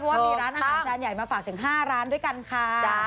ว่ามีร้านอาหารจานใหญ่มาฝากถึง๕ร้านด้วยกันค่ะ